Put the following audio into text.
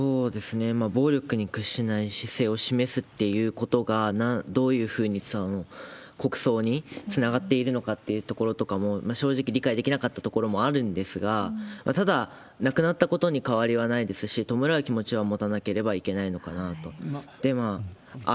暴力に屈しない姿勢を示すっていうことがどういうふうに国葬につながっているのかっていうところとかも、正直理解できなかったところもあるんですが、ただ、亡くなったことに変わりはないですし、弔う気持ちは持たなければいけないのかなと。